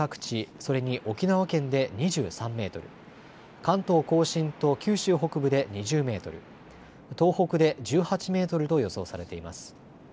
それに沖縄県で２３メートル、関東甲信と九州北部で２０メートル、東北で１８メートルと予想されています。